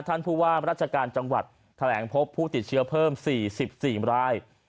ท่านผู้ว่าราชการจังหวัดแถลงพบผู้ติดเชื้อเพิ่ม๔๔ราย